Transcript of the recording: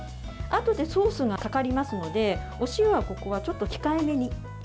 あとでソースがかかりますのでお塩は、ここはちょっと控えめに。